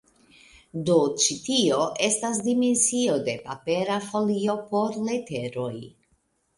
Do ĉi tio estas dimensio de papera folio por leteroj.